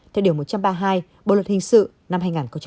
theo điều một trăm ba mươi hai bộ luật hình sự năm hai nghìn một mươi năm